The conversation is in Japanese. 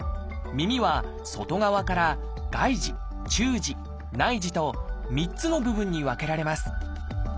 耳は外側から「外耳」「中耳」「内耳」と３つの部分に分けられます。